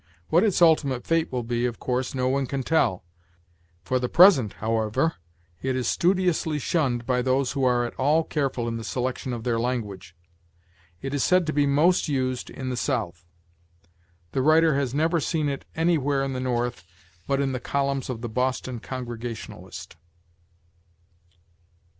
What its ultimate fate will be, of course, no one can tell; for the present, however, it is studiously shunned by those who are at all careful in the selection of their language. It is said to be most used in the South. The writer has never seen it anywhere in the North but in the columns of the "Boston Congregationalist."